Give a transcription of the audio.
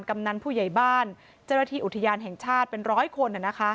กำนันผู้ใหญ่บ้านเจ้าหน้าที่อุทยานแห่งชาติเป็นร้อยคน